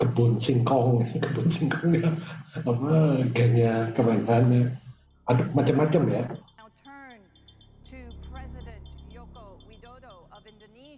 kebun singkongnya apa genya kebanyakan ada macam macam ya